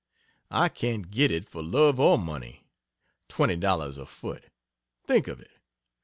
I can't get it for love or money. Twenty dollars a foot! Think of it.